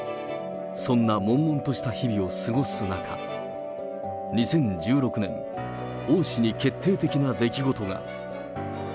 そんな悶々とした日々を過ごす中、２０１６年、王氏に決定的な出来事が。